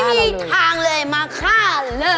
ไม่มีทางเลยมาฆ่าเลย